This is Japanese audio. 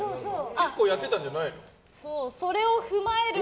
結構やってたんじゃないの？